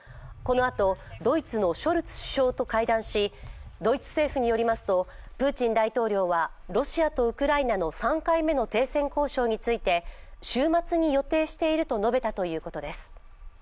このあと、ドイツのショルツ首相と会談しドイツ政府によりますとプーチン大統領はロシアとウクライナの３回目の停戦交渉について週末に予定していると述べたということです。